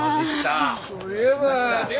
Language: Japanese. そういえば亮！